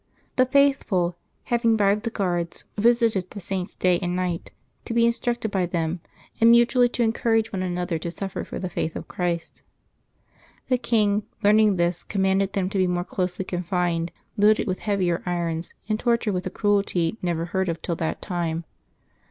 The faithful, having bribed the guards, 284 LIVES OF TEE SAINTS [August 18 visited the Saints day and night, to be instructed by them and mutually to encourage one another to suffer for the faith of Christ. The king, learning this, commanded them to be more closely confined, loaded with heavier irons, and tortured with a cruelty never heard of till that time.